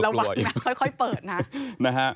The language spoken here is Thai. ระวังค่อยนะค่อยเปิดนะ